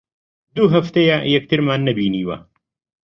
دوو هەفتەیە یەکترمان نەبینیوە.